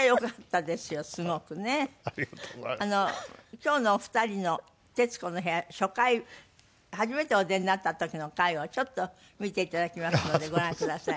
今日のお二人の『徹子の部屋』初回初めてお出になった時の回をちょっと見て頂きますのでご覧ください。